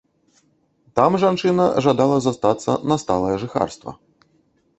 Там жанчына жадала застацца на сталае жыхарства.